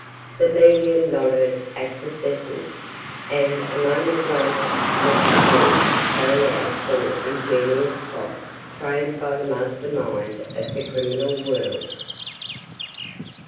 The medium nodded acquiescence, and a moment later, left the room to carry out some ingenious plot framed by the master mind of the criminal world.